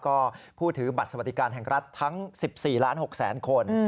ก็ผู้ถือบัตรสวัสดิการแห่งรัฐทั้ง๑๔ล้าน๖แสนคน